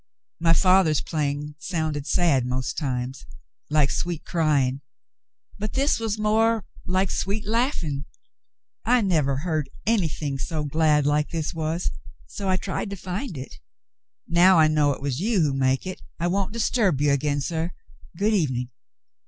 My father's playing sounded sad most times, like sweet crying, but this was more like sweet laughing. I never heard anything so glad like this was, so I tried to 114 The Mountain Girl find It. Now I know it is you who make it I won't dis turb you again, suh. Good evening."